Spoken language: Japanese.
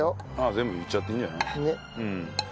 全部入れちゃっていいんじゃない？